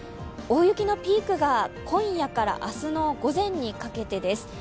大雪のピークが今夜から明日の午前にかけてです。